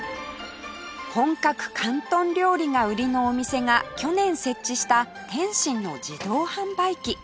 本格広東料理が売りのお店が去年設置した点心の自動販売機